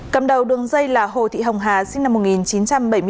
cầm đầu đường dây là hồ thị hồng hà sinh năm một nghìn chín trăm bảy mươi bốn